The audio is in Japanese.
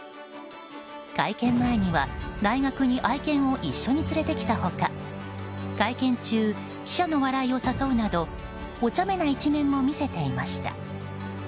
会見前には、大学に愛犬を一緒に連れてきた他会見中、記者の笑いを誘うなどおちゃめな一面も見せていました。